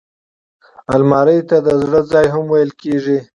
الماري ته د زړه ځای هم ویل کېږي